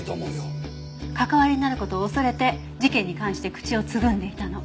関わりになる事を恐れて事件に関して口をつぐんでいたの。